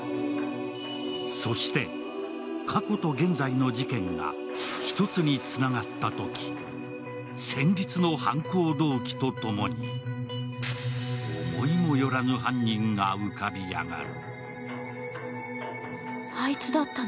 そして過去と現在の事件が１つにつながったとき、戦慄の犯行動機とともに思いもよらぬ犯人が浮かび上がる。